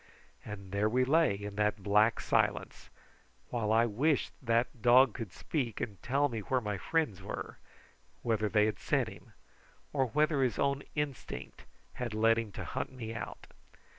And there we lay in that black silence, while I wished that dog could speak and tell me where my friends where; whether they had sent him, or whether his own instinct had led him to hunt me out.